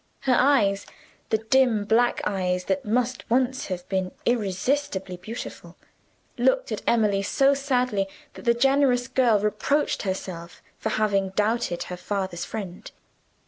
Her eyes the dim black eyes that must once have been irresistibly beautiful looked at Emily so sadly that the generous girl reproached herself for having doubted her father's friend.